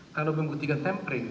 kalau membuktikan time frame